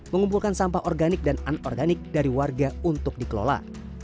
mengumpulkan sampah organik dan anorganik dari warga untuk dikelola